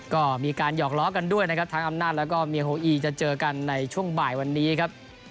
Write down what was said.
ก็มีการหยอกล้อกันด้วยนะครับทั้งอำนาจแล้วก็เมียโฮอีจะเจอกันในช่วงบ่ายวันนี้ครับ